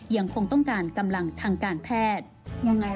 ยังคงต้องการกำลังทางการแพทย์